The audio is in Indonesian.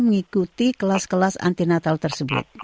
mengikuti kelas kelas anti natal tersebut